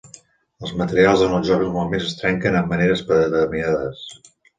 Els materials en els jocs normalment es trenquen en maneres predeterminades.